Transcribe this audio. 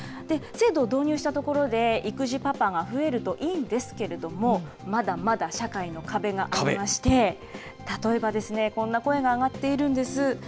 制度を導入したところで育児パパが増えるといいんですけれども、まだまだ社会の壁がありまして、例えばこんな声が上がっているんです。